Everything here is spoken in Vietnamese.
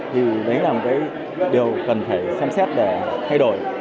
thì đấy là một cái điều cần phải xem xét để thay đổi